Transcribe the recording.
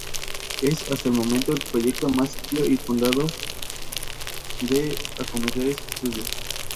Es, hasta el momento, el proyecto más serio y fundado de acometer este estudio.